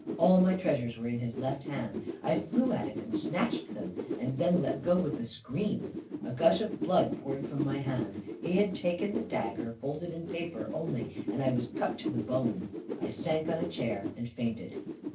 All my treasures were in his left hand. I flew at, and snatched them, and then let go with a scream. A gush of blood poured from my hand. He had taken the dagger folded in paper only, and I was cut to the bone. I sank on a chair and fainted.